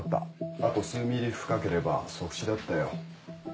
あと数ｍｍ深ければ即死だったよ。